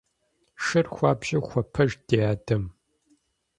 Шыр хуабжьу хуэпэжт ди адэм.